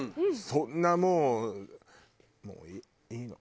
そんなもうもういいの。